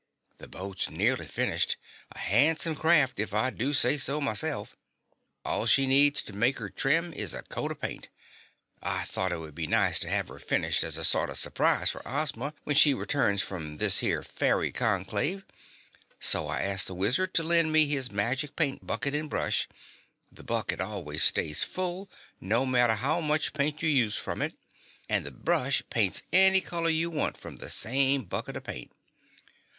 The boat's nearly finished a handsome craft if I do say so myself. All she needs to make 'er trim is a coat o' paint. I thought it would be nice to have 'er finished as a sort of surprise fer Ozma when she returns from this here fairy conclave, so I asked the Wizard to lend me his magic paint bucket and brush the bucket always stays full, no matter how much paint you use from it, an' the brush paints any color you want from the same bucket o' paint.